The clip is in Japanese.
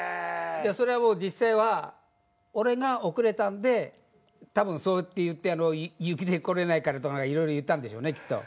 それは実際は俺が遅れたんでたぶんそうやって言って雪で来れないからとか色々言ったんでしょうねきっと。